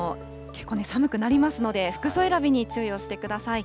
結構、寒くなりますので、服装選びに注意をしてください。